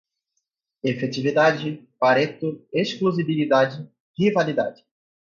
efetividade, pareto, exclusibilidade, rivalidade